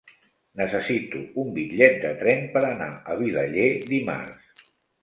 Necessito un bitllet de tren per anar a Vilaller dimarts.